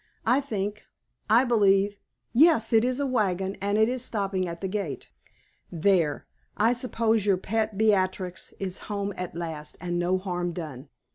I think I believe yes, it is a wagon, and it is stopping at the gate. There, I suppose your pet Beatrix is home at last, and no harm done."